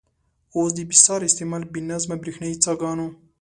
اوس د بې ساري استعمال، بې نظمه برېښنايي څاګانو.